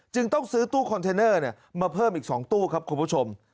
ต้องซื้อตู้คอนเทนเนอร์มาเพิ่มอีก๒ตู้ครับคุณผู้ชม